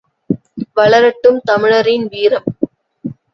வளரட்டும் தமிழரின் வீரம்!